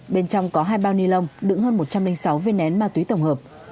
bên trong có hai bao ni lông đựng hơn một trăm linh sáu viên nén ma túy tổng hợp